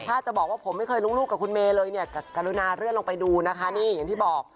ถ้าจะบอกว่าผมไม่เคยลงรูปกับคุณเมย์เลยเนี่ยกรุณาเลื่อนลงไปดูนะคะนี่อย่างที่บอก